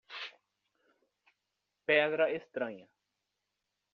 Pedra estranha